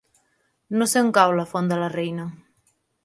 No sé on cau la Font de la Reina.